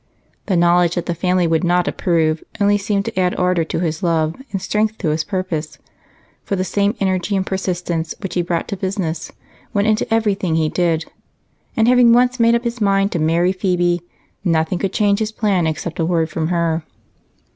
The knowledge that the family would not approve only seemed to add ardor to his love and strength to his purpose, for the same energy and persistence which he brought to business went into everything he did, and having once made up his mind to marry Phebe, nothing could change this plan except a word from her.